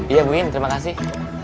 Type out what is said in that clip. iya bu in terima kasih